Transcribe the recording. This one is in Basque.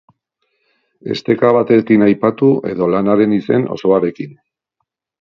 Esteka batekin aipatu edo lanaren izen osoarekin.